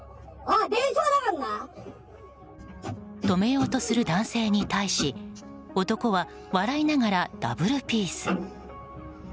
止めようとする男性に対し男は笑いながらダブルピース。